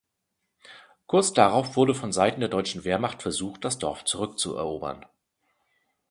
Kurz darauf wurde von Seiten der deutschen Wehrmacht versucht das Dorf zurückzuerobern.